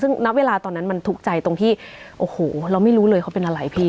ซึ่งณเวลาตอนนั้นมันทุกข์ใจตรงที่โอ้โหเราไม่รู้เลยเขาเป็นอะไรพี่